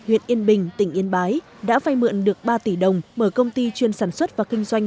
huyện yên bình tỉnh yên bái đã vay mượn được ba tỷ đồng mở công ty chuyên sản xuất và kinh doanh